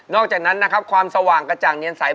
อกจากนั้นนะครับความสว่างกระจ่างเนียนใส